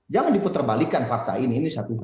jangan diputarbalikan fakta ini ini satu hal